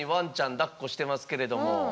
だっこしてますけれども。